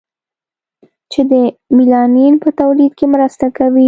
چې د میلانین په تولید کې مرسته کوي.